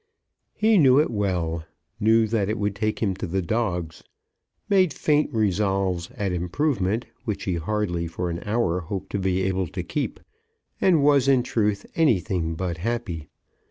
He knew it well, knew that it would take him to the dogs, made faint resolves at improvement which he hardly for an hour hoped to be able to keep, and was in truth anything but happy.